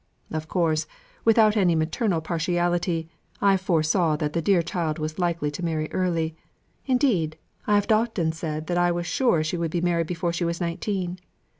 Of course, without any maternal partiality, I foresaw that the dear child was likely to marry early; indeed, I had often said that I was sure she would be married before she was nineteen.